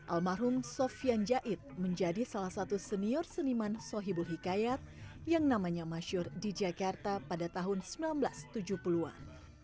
almarhum sofian jaid menjadi salah satu senior seniman sohibul hikayat yang namanya masyur di jakarta pada tahun seribu sembilan ratus tujuh puluh an